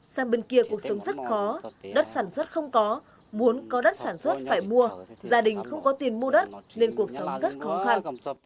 sang bên kia cuộc sống rất khó đất sản xuất không có muốn có đất sản xuất phải mua gia đình không có tiền mua đất nên cuộc sống rất khó khăn